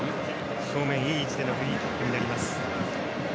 正面いい位置でのフリーキックになります。